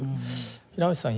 平藤さん